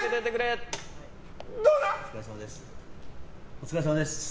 お疲れさまです。